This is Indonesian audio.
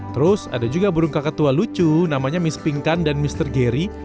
terus ada juga burung kakak tua lucu namanya miss pinkan dan mister gary